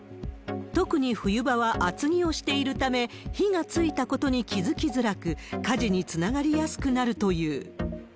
特に冬場は厚着をしているため、火がついたことに気付きづらく、火事につながりやすくなるという。